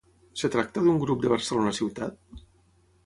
Es tracta d'un grup de Barcelona ciutat?